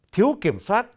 thiếu kiểm soát